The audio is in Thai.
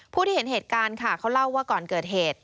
ผู้ที่เห็นเหตุการณ์ค่ะเขาเล่าว่าก่อนเกิดเหตุ